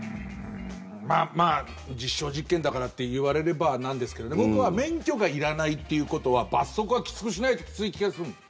まあ、実証実験だからと言われればあれなんですけど僕は免許がいらないということは罰則はきつくしないときつい気がする。